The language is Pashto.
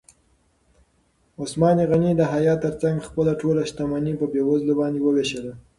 عثمان غني د حیا تر څنګ خپله ټوله شتمني په بېوزلو باندې ووېشله.